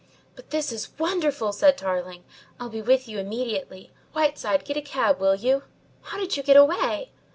"But, this is wonderful!" said Tarling. "I'll be with you immediately. Whiteside, get a cab, will you? How did you get away?"